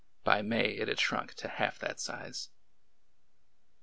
By May it had shrunk to half that size.